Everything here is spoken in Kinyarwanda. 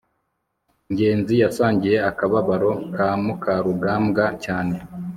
ngenzi yasangiye akababaro ka mukarugambwa cyane